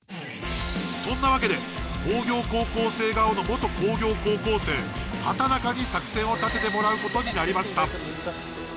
そんなわけで工業高校生顔の元工業高校生畠中に作戦を立ててもらうことになりました。